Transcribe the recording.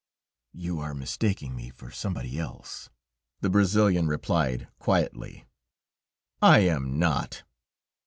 "You are mistaking me for somebody else," the Brazilian replied, quietly. "I am not."